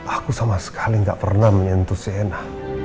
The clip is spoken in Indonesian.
aku sama sekali gak pernah menyentuh seenak